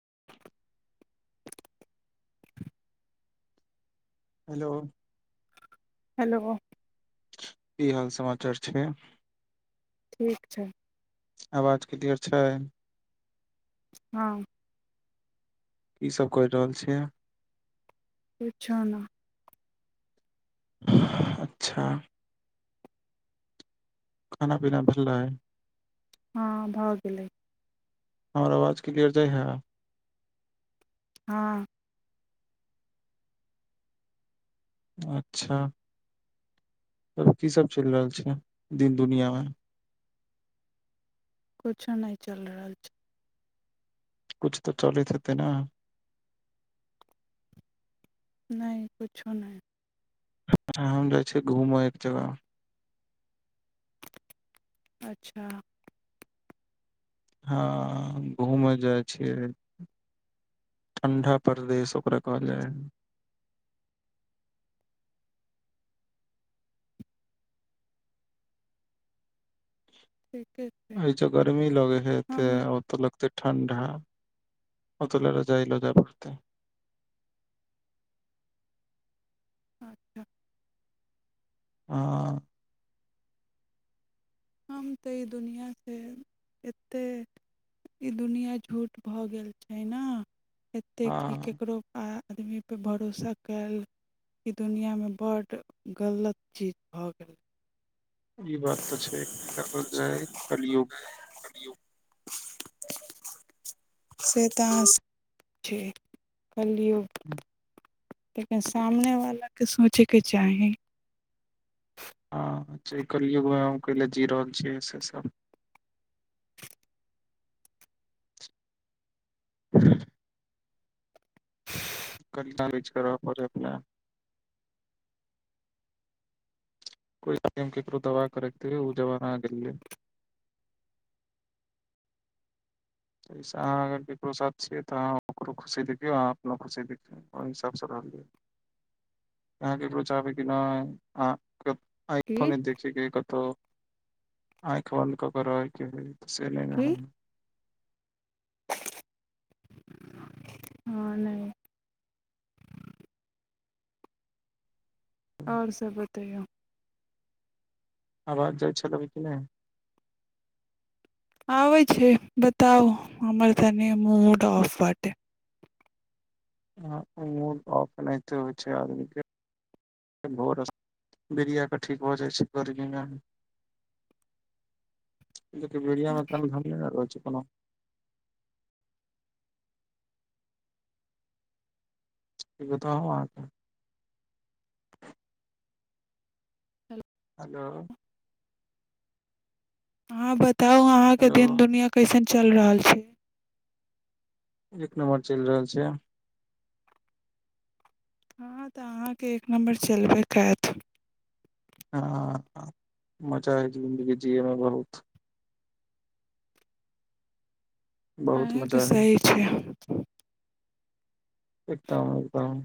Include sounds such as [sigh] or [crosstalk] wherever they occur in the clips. [inaudible] hello hello की हाल समाचार छै ठीक छै कर छै हँ ईसभ कि रहल छियै पछ ने अच्छा खाना पीना ल रहाै हँ भऽ गेलै हमर आवाज कलियरजइ हय हँ अच्छा तब कीसभ चलि रहल छै दिन दुनिआँमे किछो नहि चलि रहल छै किछु तऽ चलैत हेतै ने नहि किछो नहि हम जाइ छीियै घूमय एक जगह अच्छा हँ घूमय जाइ छियै ठण्ढा परदेश ओकरा कहल जाइ हइ ठीके छै अ जो गर्मी लगे है त हम ओ त ठण्डा पतल रह जाइ ल जाा पत अच्छा हँ हम तऽ ई दुनिआँसँ एतेक ई दुनिआँ झूठ भऽ गेल छै ने एते कि हँ केकरो आदमीपर भरोसा कयल ई दुनिआँमे बड गलत चीज भऽ गेलै ई बात तऽ छैल जाय कलियुग से तऽ छै चलियौ लेकिन सामनेवलाके सोचयके चाही हँ च कहलियै घ क ल जी रहल छियैऐ सेे सभ ह [unintelligible] क चलेज कर पड़ै अपना कोइ ककरो दबा करैके ओ जबाना गेलै अहाँ अगर ककरो साथ छियै तऽ अहाँ ओकरो खुशी देखियौ अहाँ अपो खुशी देखियौ ओहि हिसाबसँ रहलियै अहाँ ककरो चाहबै कि नहि अह आइ की फन देख कि कतहु आँखि बन्द कऽ के रहय के हैय से लेना की ह हँ नहि आओर सब बतैयौ आवाज जाइत छल अभी कि नहि आबैछै बताउ हमर तने मूड ऑफ वाटे मूड ऑफ एनाहिते होइ छै आदमीके भर बिरिया क ठीक भऽ जाइ छै गर्मीमे बिड़ियामे कान घामी ने रहै छै ह कि बताउं अहाँ के हेलो हँ ब ताउ अहाँ के हेलो दिन दुनिया कैसन चलि रहल छै एक नम्बर चलि रहल छै हँ तऽ अहाँके एक नम्बर चलबैकेत हँ मजा है जिन्दगी जियैमे बहुत बहुत आहेंके मजा है सही छै एकदम एकदम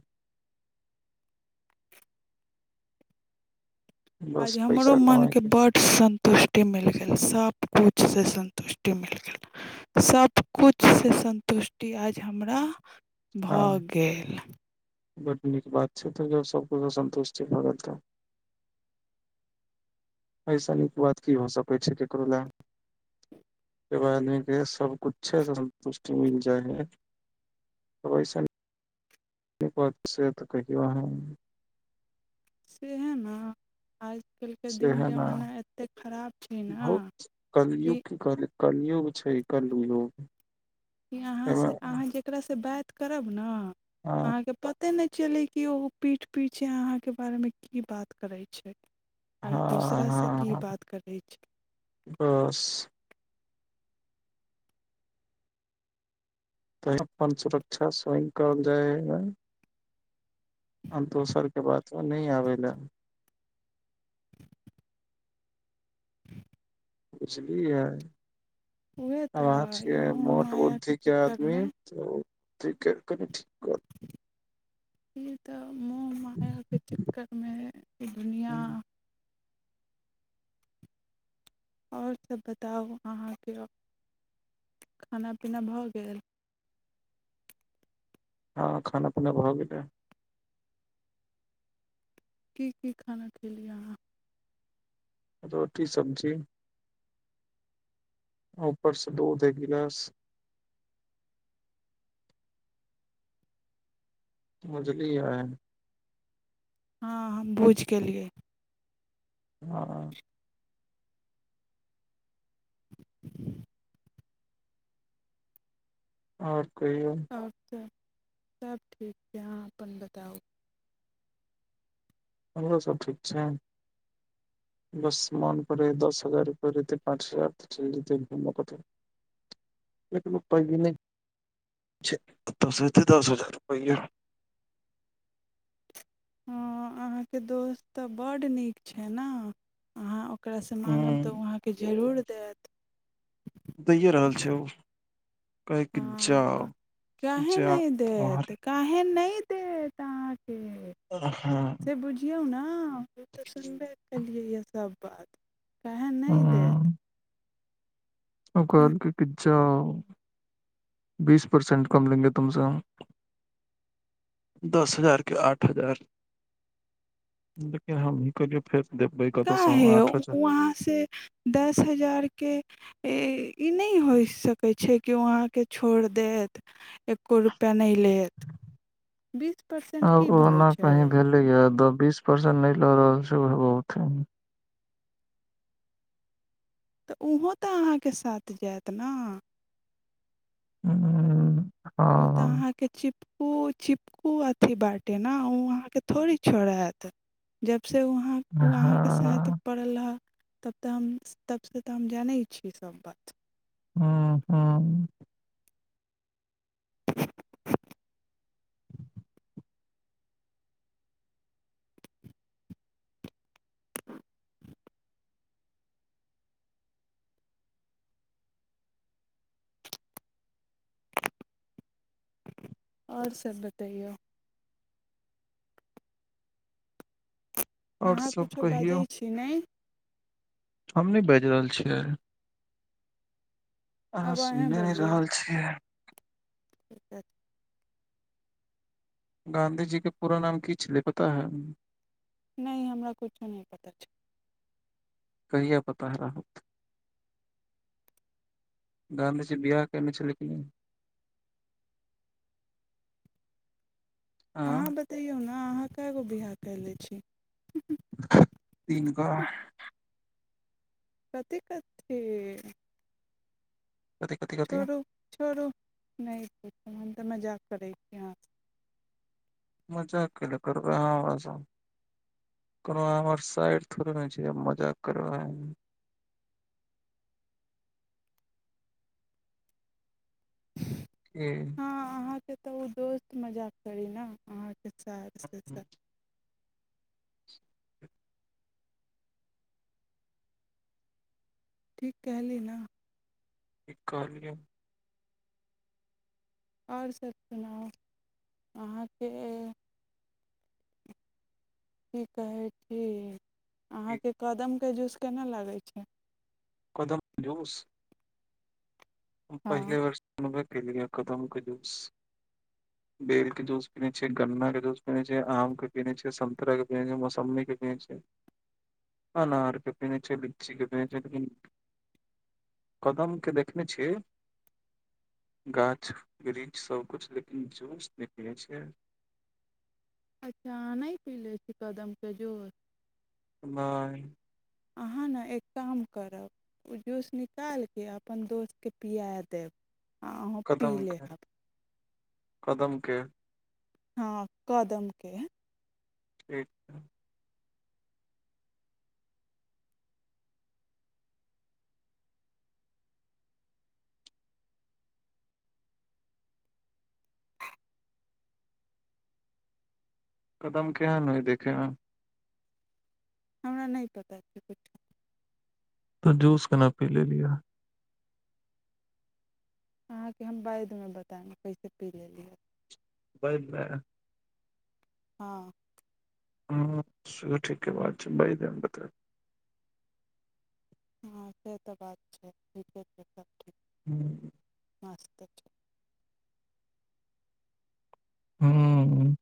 बस आइ हमरो पैसा कमाय मनके के बड्ड सन्त सन्तुष्टि मिल गेल सभकुछसे सन्तुष्टि मिल गेल सभकुछसँ सन्तुष्टि आज हमरा भऽ हँ गेल बड नीक बात छै तऽ ज सबकुछ सन्तुष्टि भऽ गेल तऽ ऐ सँ नीक बात की हो सकै छै ककरो लए एगो आदमी के सबकुछे से सन्तुष्टि मिल जाइ है ऐसन एक बात से तऽ कहियौ अहि सेहै ने आइ आइ काल्हिके से दिन है न जमाना एतेक खराब छै ने बहुत कलयुग कि की कहल कलयुग छै कलयुग ई अहाँ से हँ अहाँ जेकरासे बात करब ने हँ अहाँके पते नहि चले कि ओ पीठ पीछे अहाँ के बारे मे की बात करै छै आ हँ दोसरासँ अहाँ की ह बात करै छै बस तऽ अपन सुरक्षा स्वयं कल जाइ ह ह हम दोसरके बात मे नहि आबैलै बुझलियै उएह अब आज तऽ ई के मोह मोट मायाके बुद्धि के आदमी चक्करमे तऽ उ ठीके कनि ठीक ई तऽ मोह मायाके चक्करमे दुनिआँ आओर सभ बताउ अहाँके खाना पीना भऽ गेल हँ खाना पीना भ गेलै की की खाना खयेलियै अहाँ रोटी सब्जी ऊपर स दुध एक गिलास समझलिय आ हँ हम बुझी गेलेलियै हँ आओर कहियो आओर सब सब ठीक अहाँ अपन बताउ हमरो सब ठीक छै बस मन करै दस हजार रुपआ रहितय पाँच हजार चल जेतए पर पाइये नय छय कतय स एतय दस हजार रुपया हँ अहाँके दोस्त तऽ बड्ड नीक छै ने अहाँ ओकरासँ माँगम हूँ तऽ ओ अहाँके जरूर देत दैए रहल छै ओ कहै कि ह जाउ काहे जा नहि तुम्हार देत काहे नहि देत देत अहाँ के हँ से बुझिहो ना तऽ सुनबै केलिये या असाबाद कह नहि देत हूँ ओ कहल क अच्छा बीस परसेंट कम लेंगे तुम से हम दस हजार के आठ हजार देखियऔ हम ह करियए फेर देबै कतऽसँ हम काहे उ आठ हजार अहाँ से दस हजार के ई नहि होइ सकै छै कि ओ अहाँके छोड़ि देत एक्को रुपैआ नहि लेत बीस परसेंट आब की भइ ओना छै कहीं भेलैया द बीस परसेंट नहि लऽ रहल छै औहो बहुत छै तऽ ओहोँ तऽ अहाँके साथ जायत ने ह ओ तऽ अहाँके चिप [inaudible] से वहाँ हँ उ अहाँके साथ हँ पड़ल रहत तब तऽ हम तबसँ तऽ हम जानै छी सभ बात हँ हँ [inaudible] [inaudible] आओर सब बतैयौ आओर अहाँ सब कुछो कहियौ बजैत छी नै हम नहि बाजि रहल छियै अहाँ आब अहेँ सुनिये नहि बोलियौ रहल छियै [inaudible] गाँधीजी के पूरा नाम की छेलै पता हे नहि हमरा कुछो नहि पता छै कहिये पता रहत गाधीजी बियाह केयने छलै कि नहि अहाँ बतैयौ न न अहाँ कए गो बियाह कयले छी तीन गो कथी कथी कथि कथि कथि छोड़ु छोड़ु नहि हम तऽ मजाक करै छी अहाँ मजाक कैले करबै अहाँ हमरा सँ कोनो अहाँ हमर साइर थोड़े न छी मजाक करबै कि हँ अहाँके तऽ उ दोस्त मजाक करी न अहाँके साइर छी सा की ठीक कहली न ठीक कहलीय आओर सभ सुनाउ अहाँके की कहै छियै कि अहाँके कदम के जूस केना लागै छै कदम जूस हँ पहिले बेर सुनबे क लिय कदम के जूस बेल के जूस पीने छियै गन्ना के जूस पीने छियै आम के पीेने छियै सन्तरा के पीनै छियै मौसम्बी के पीने छियै अनार के पीेने छियै लीची के पीने छियै लेकिन कदम के देखने छियै गाछ वृक्ष सभ कुछ लेकिन जूस नहि पीने छियै अच्छा अहाँ नहि पीले छी कदमके जूस नहि अहाँ ने एक काम करब ओ जूस निकालि के अपन दोस्तकेँ पिया देब आओर अहूँ पी कदमके लेहब कदमके हँ कदमके ठिक कदम केहन होयहै देखैमे हमरा नहि पता कुछो तऽ जूस केना पी ले लिय अहाँकेँ हम बाइदमे बतायब कैसे पी लेली ह बइदमे हँ हँ सेहो ठीके बात छै बइदमे बताएब हँ से तऽ बात छै ठीके छै सब ठीक ह्म मस्ते हँ